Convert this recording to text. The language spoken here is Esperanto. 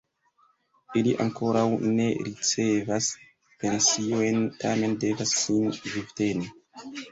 Ili ankoraŭ ne ricevas pensiojn tamen devas sin vivteni.